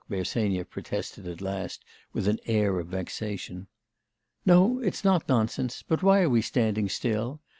Bersenyev protested at last with an air of vexation. 'No, it's not nonsense. But why are we standing still?